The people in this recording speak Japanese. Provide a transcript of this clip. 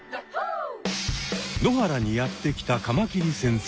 野原にやって来たカマキリ先生。